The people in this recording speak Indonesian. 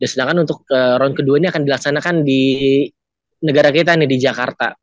sedangkan untuk ron kedua ini akan dilaksanakan di negara kita nih di jakarta